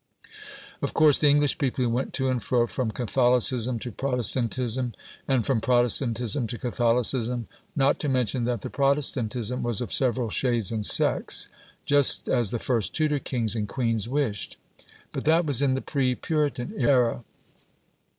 Of course the English people went to and fro from Catholicism to Protestantism, and from Protestantism to Catholicism (not to mention that the Protestantism was of several shades and sects), just as the first Tudor kings and queens wished. But that was in the pre Puritan era.